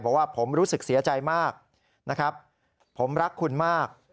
บอกว่าผมรู้สึกเสียใจมากนะครับผมรักคุณมาก